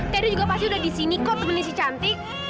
kak edo juga pasti udah di sini kok temenin si cantik